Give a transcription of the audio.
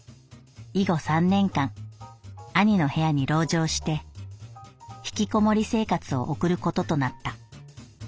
以後三年間兄の部屋に籠城して引きこもり生活を送ることとなった」。